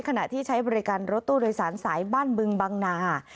ขณะที่ใช้บริการรถตู้โดยสารสายบ้านบึงบังนา